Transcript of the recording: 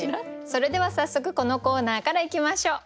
それでは早速このコーナーからいきましょう。